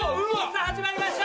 さぁ始まりました。